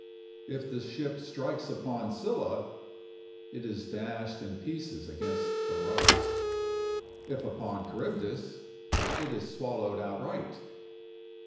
If the ship strikes upon Scylla, it is dashed in pieces against the rocks; if upon Charybdis, it is swallowed outright.